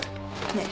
ねえ。